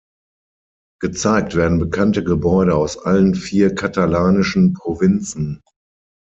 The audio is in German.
Gezeigt werden bekannte Gebäude aus allen vier katalanischen Provinzen.